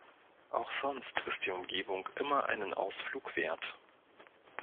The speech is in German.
Auch sonst ist die Umgebung immer einen Ausflug wert.